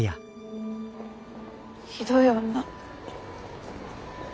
ひどい女。